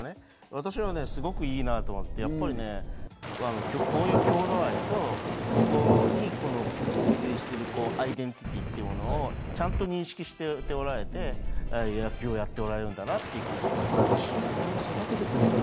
私はすごくいいなと思って、こういう郷土愛と、そこに付随するアイデンティティーというものをちゃんと認識しておられて、野球をやっておられるんだなという気がしました。